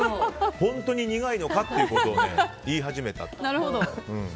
本当に苦いのかってことを言い始めた。